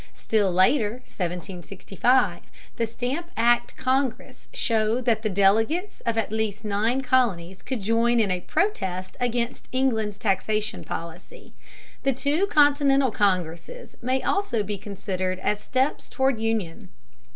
Still later (1765) the Stamp Act Congress showed that the delegates of at least nine colonies could join in a protest against England's taxation policy. The two Continental Congresses may also be considered as steps toward union.